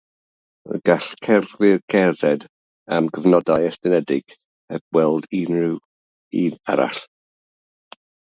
Gall cerddwyr gerdded am gyfnodau estynedig heb weld unrhyw un arall.